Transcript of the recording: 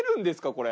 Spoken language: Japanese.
これ。